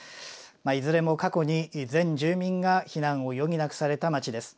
いずれも過去に全住民が避難を余儀なくされた町です。